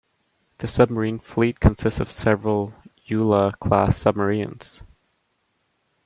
The submarine fleet consists of several "Ula" class submarines.